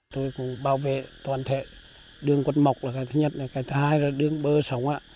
tôi cũng bảo vệ toàn thể đường cột mốc là cái thứ nhất cái thứ hai là đường bơ sống